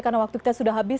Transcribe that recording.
karena waktu kita sudah habis